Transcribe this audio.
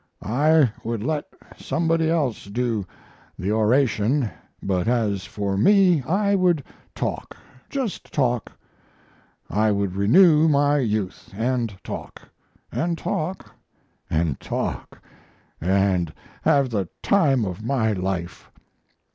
I would let somebody else do the oration, but as for me I would talk just talk. I would renew my youth; and talk and talk and talk and have the time of my life!